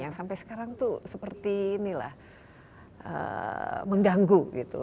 yang sampai sekarang tuh seperti inilah mengganggu gitu